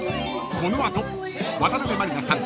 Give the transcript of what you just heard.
［この後渡辺満里奈さん